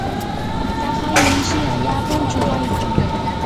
taqay mishi allaapam chuqaykan.